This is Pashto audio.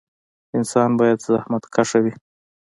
انسان باید زخمتکشه وي